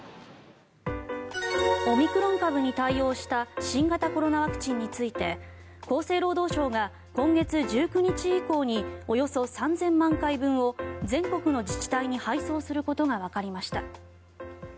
オミクロン株に対応した新型コロナワクチンについて厚生労働省が今月１９日以降におよそ３０００万回分を全国の自治体に配送することがわかりました。